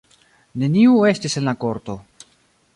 Neniu estis en la korto.